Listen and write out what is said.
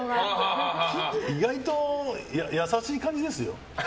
意外と優しい感じですよ。